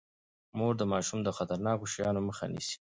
مور د ماشوم د خطرناکو شيانو مخه نيسي.